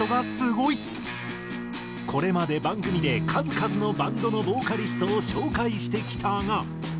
これまで番組で数々のバンドのボーカリストを紹介してきたが。